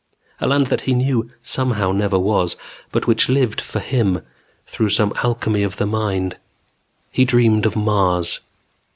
A land that he knew somehow never was, but which lived, for him, through some alchemy of the mind. He dreamed of Mars.